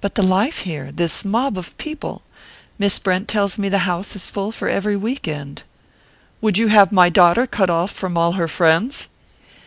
"But the life here! This mob of people! Miss Brent tells me the house is full for every week end." "Would you have my daughter cut off from all her friends?"